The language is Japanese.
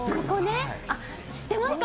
知ってますか？